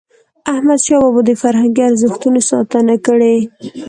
احمدشاه بابا د فرهنګي ارزښتونو ساتنه کړی.